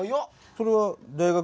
それは大学。